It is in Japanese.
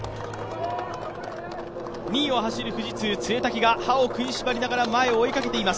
２位を走る富士通・潰滝が歯を食いしばりながら前を追いかけています。